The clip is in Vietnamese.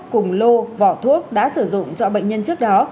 cùng lô vỏ thuốc đã sử dụng cho bệnh nhân trước đó